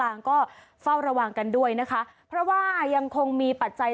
ฮัลโหลฮัลโหลฮัลโหลฮัลโหลฮัลโหล